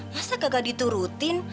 masa kagak diturutin